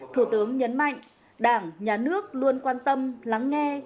thủ tướng nhấn mạnh đảng nhà nước luôn quan tâm lắng nghe